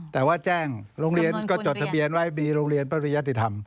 แต่ว่าแจ้งโรงเรียนก็จดทะเบียนไว้มีโรงเรียนปริยติธรรม